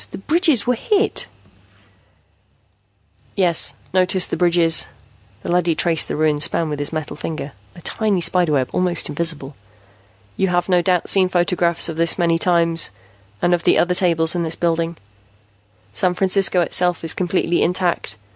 The bridges were hit " "Yes, notice the bridges." The leady traced the ruined span with his metal finger, a tiny spider web, almost invisible. "You have no doubt seen photographs of this many times, and of the other tables in this building. "San Francisco itself is completely intact.